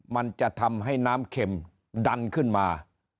มันจะทำให้น้ำเข็มดันขึ้นมา